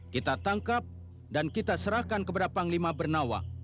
kita tangkap dan kita serahkan kepada panglima bernawa